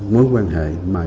mà đối với mặt xã hội